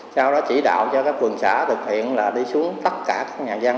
sau đó chỉ đạo cho các phường xã thực hiện là đi xuống tất cả các nhà dân